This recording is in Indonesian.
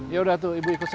ya udah tuh ibu ikut saya